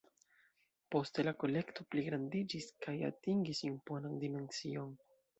Poste la kolekto pligrandiĝis kaj atingis imponan dimension.